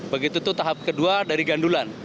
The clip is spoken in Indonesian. begitu tuh tahap kedua dari gandulan